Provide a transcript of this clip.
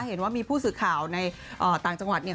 เห็นว่ามีผู้สื่อข่าวในต่างจังหวัดเนี่ย